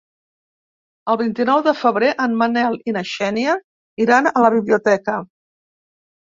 El vint-i-nou de febrer en Manel i na Xènia iran a la biblioteca.